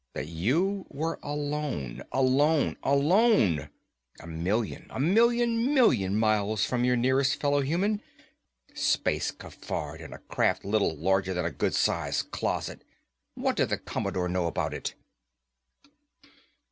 That you were alone, alone, alone. A million, a million million miles from your nearest fellow human. Space cafard, in a craft little larger than a good sized closet! What did the Commodore know about it?